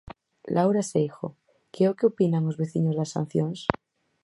Laura Seijo, que é o que opinan os veciños das sancións?